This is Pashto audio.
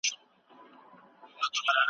که نسلونه ګډ سي پیوستون له منځه ځي.